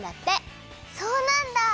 そうなんだ！